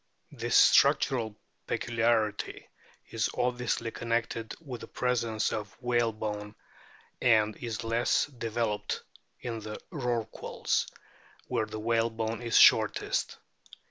This structural peculiarity is obviously connected with the presence of whalebone and is less 117 n8 A BOOK OF WHALES developed in the Rorquals, where the whalebone is shortest.